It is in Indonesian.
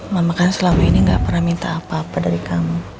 mama kamu ini gak pernah minta apa apa dari kamu